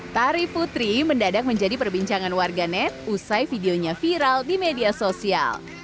tari putri mendadak menjadi perbincangan warga net usai videonya viral di media sosial